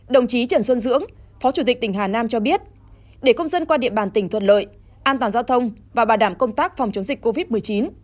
đồng chí trần xuân dưỡng phó chủ tịch tỉnh hà nam cho biết để công dân qua địa bàn tỉnh thuận lợi an toàn giao thông và bảo đảm công tác phòng chống dịch covid một mươi chín